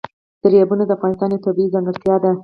دریابونه د افغانستان یوه طبیعي ځانګړتیا ده.